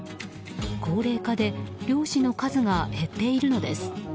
高齢化で猟師の数が減っているのです。